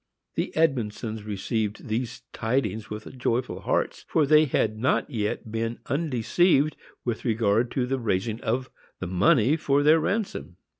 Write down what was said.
The Edmondsons received these tidings with joyful hearts, for they had not yet been undeceived with regard to the raising of the money for their ransom.